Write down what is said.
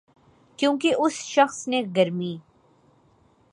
کیونکہ اس شخص نے گرمی